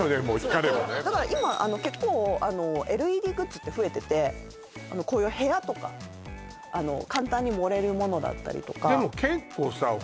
もう光ればねだから今結構ＬＥＤグッズって増えててこういう部屋とか簡単に盛れるものだったりとかでも結構さ